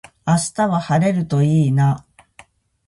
明日は晴れるといいな。